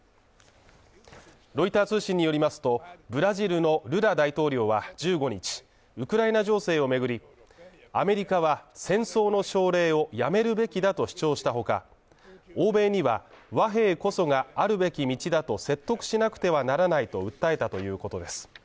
ロイター通信によりますと、ブラジルのルラ大統領は１５日、ウクライナ情勢を巡り、アメリカは戦争の奨励をやめるべきだと主張した他、欧米には和平こそがあるべき道だと説得しなくてはならないと訴えたということです。